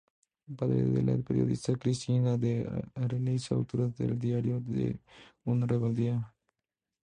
Padre de la periodista Cristina de Areilza, autora del "Diario de una rebeldía".